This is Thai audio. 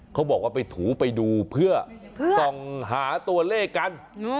เขาบอกว่าไปถูไปดูเพื่อส่องหาตัวเลขกัน